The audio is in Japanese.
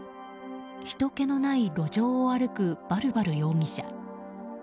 ひとけのない路上を歩くバルバル容疑者。